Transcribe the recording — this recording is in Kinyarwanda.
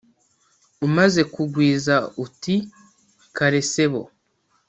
Umaze kugwiza uti " kare Sebo ".